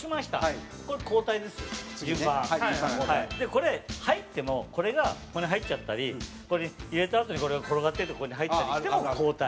これ入ってもこれがここに入っちゃったりここに入れたあとにこれが転がっていってここに入ったりしても交代。